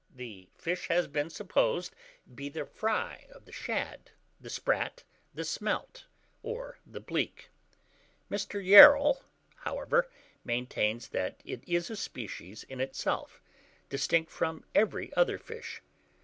The fish has been supposed be the fry of the shad, the sprat, the smelt, or the bleak. Mr. Yarrell, however, maintains that it is a species in itself, distinct from every other fish.